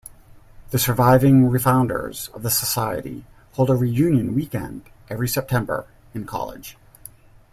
The surviving 'Refounders' of the Society hold a reunion weekend every September in college.